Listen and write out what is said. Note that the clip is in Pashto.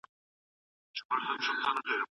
زکات د ټولني د غریبو طبقو ژوند بدلوي.